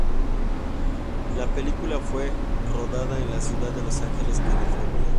La película fue rodada en la ciudad de Los Angeles, California.